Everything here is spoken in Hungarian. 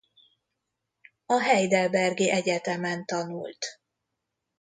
A Heidelbergi Egyetemen tanult.